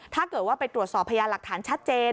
ถ้าเกิดว่าไปตรวจสอบพยานหลักฐานชัดเจน